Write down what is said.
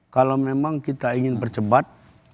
kalau memang kita ingin percepat